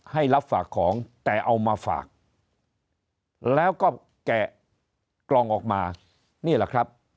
ให้รับฝากของแต่เอามาฝากแล้วก็แกะกล่องออกมานี่แหละครับ